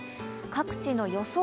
各地の予想